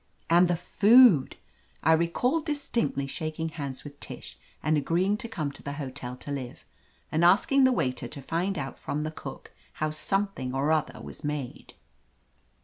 And the food! I recall distinctly shaking hands with Tish and agreeing to come to the hotel to live, and asking the waiter to find out from the cook how something or other was made.